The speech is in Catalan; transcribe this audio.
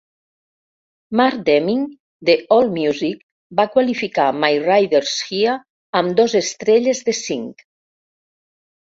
Mark Deming, de AllMusic, va qualificar "My Ride's Here" amb dos estrelles de cinc.